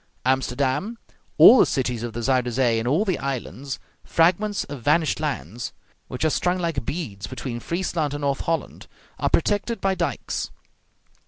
Amsterdam, all the cities of the Zuyder Zee, and all the islands, fragments of vanished lands, which are strung like beads between Friesland and North Holland, are protected by dikes.